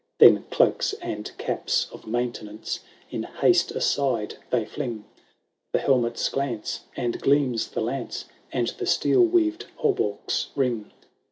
* Then cloaks and caps of maintenance In haste aside they fling ; The helmets glance, and gleams the lance. And the steel weaved hauberks ring.